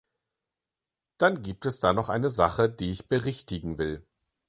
Dann gibt es da noch eine Sache, die ich berichtigen will.